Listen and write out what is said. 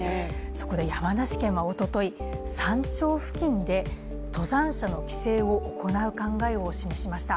そこで山梨県はおととい山頂付近で登山者の規制を行う考えを示しました。